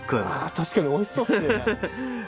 確かに美味しそうっすね。